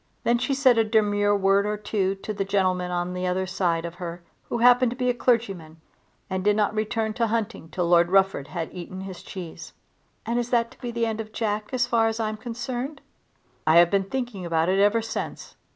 Then she said a demure word or two to the gentleman on the other side of her who happened to be a clergyman, and did not return to the hunting till Lord Rufford had eaten his cheese. "And is that to be the end of Jack as far as I'm concerned?" "I have been thinking about it ever since.